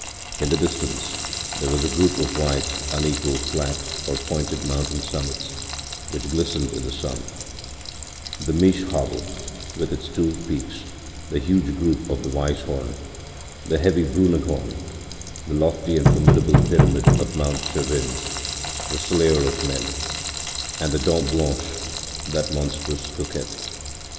In the distance there was a group of white, unequal, flat, or pointed mountain summits, which glistened in the sun; the Mischabel with its two peaks, the huge group of the Weisshorn, the heavy Brunegghorn, the lofty and formidable pyramid of Mount Cervin, that slayer of men, and the Dent Blanche, that monstrous coquette.